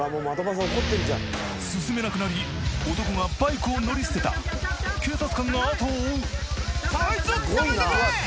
進めなくなり男がバイクを乗り捨てた警察官が後を追う